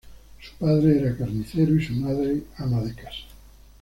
Su padre era carnicero y su madre ama de casa.